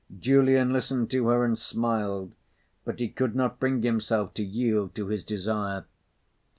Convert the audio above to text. Julian listened to her and smiled, but he could not bring himself to yield to his desire.